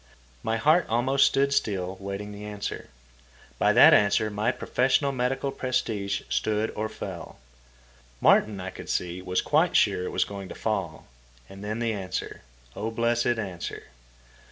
My heart almost stood still waiting the answer. By that answer my professional medical prestige stood or fell. Martin, I could see, was quite sure it was going to fall. And then the answer—O blessed answer!